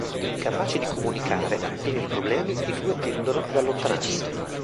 Incapaci di comunicare e pieni di problemi, i due tendono ad allontanarsi.